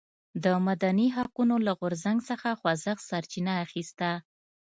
د مدني حقونو له غورځنګ څخه خوځښت سرچینه اخیسته.